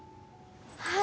はい。